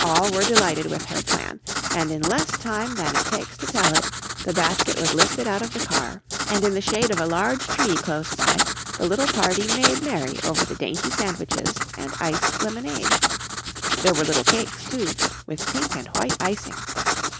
All were delighted with her plan and in less time than it takes to tell it the basket was lifted out of the car and in the shade of a large tree close by the little party made merry over the dainty sandwiches and iced lemonade. There were little cakes, too, with pink and white icing.